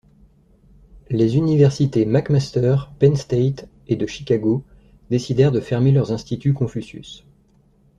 Les universités McMaster, Penn State, et de Chicago décidèrent de fermer leurs instituts Confucius.